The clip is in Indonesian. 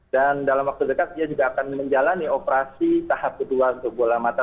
dan dalam waktu dekat dia juga akan menjalani operasi tahap kedua untuk bola mata